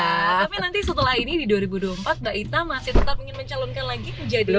tapi nanti setelah ini di dua ribu dua puluh empat mbak ita masih tetap ingin mencalonkan lagi menjadi